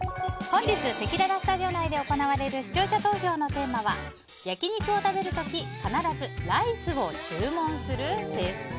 本日せきららスタジオ内で行われる視聴者投票のテーマは焼き肉を食べる時必ずライスを注文する？です。